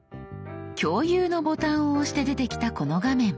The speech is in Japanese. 共有のボタンを押して出てきたこの画面。